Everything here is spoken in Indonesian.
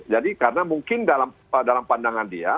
jadi karena mungkin dalam pandangan dia